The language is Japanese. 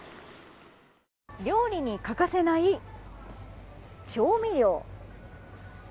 料理に欠かせない調味料。